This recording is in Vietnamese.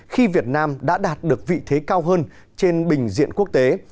khi việt nam đã đạt được vị thế cao hơn trên bình diện quốc tế